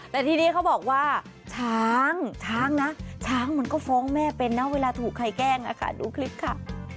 แต่ทีนี้เขาบอกว่าช้างช้างนะช้างมันก็ฟ้องแม่เป็นนะเวลาถูกใครแกล้งดูคลิปค่ะ